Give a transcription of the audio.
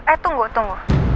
eh tunggu tunggu